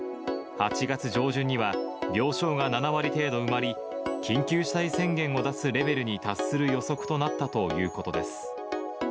８月上旬には、病床が７割程度埋まり、緊急事態宣言を出すレベルに達する予測となったということです。